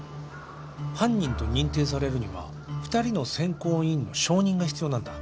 犯人と認定されるには２人の選考委員の承認が必要なんだ